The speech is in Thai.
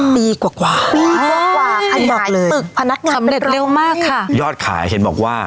ปีกว่า